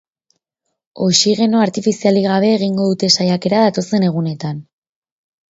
Oxigeno artifizialik gabe egingo dute saiakera datozen egunetan.